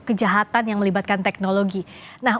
kejahatan yang melibatkan teknologi nah